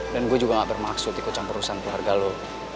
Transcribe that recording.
dan gue juga gak bermaksud ikut campur urusan keluarga lo